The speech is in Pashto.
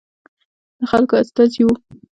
د خلکو استازي وو.